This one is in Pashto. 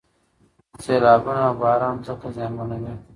سیلابونه او باران ځمکې زیانمنوي.